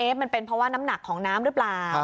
มันเป็นเพราะว่าน้ำหนักของน้ำหรือเปล่า